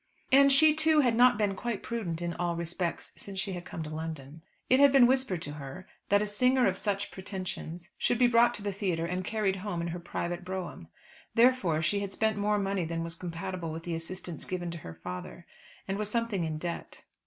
And she, too, had not been quite prudent in all respects since she had come to London. It had been whispered to her that a singer of such pretensions should be brought to the theatre and carried home in her private brougham. Therefore, she had spent more money than was compatible with the assistance given to her father, and was something in debt.